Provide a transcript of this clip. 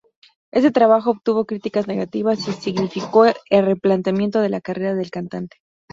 Este trabajo obtuvo críticas negativas y significó el replanteamiento de la carrera del cantante.